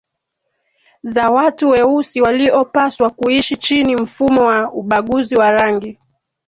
za watu weusi waliopaswa kuishi chini mfumo wa ubaguzi wa rangi